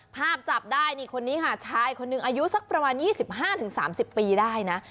จับได้นี่คนนี้ค่ะชายคนหนึ่งอายุสักประมาณ๒๕๓๐ปีได้นะ